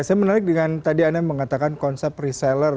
saya menarik dengan tadi anda mengatakan konsep reseller